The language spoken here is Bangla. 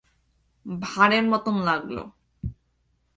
ভাঁড়ের মতো লাগে।